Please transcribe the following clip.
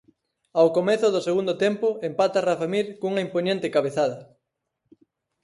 Ao comezo do segundo tempo empata Rafa Mir cunha impoñente cabezada.